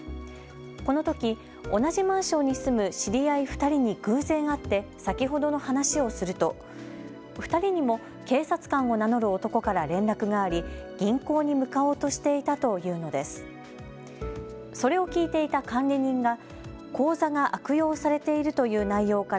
このとき同じマンションに住む知り合い２人に偶然会って先ほどの話をすると２人にも警察官を名乗る男から連絡があり、銀行に向かおうとしていたというのです。